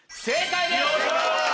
正解です！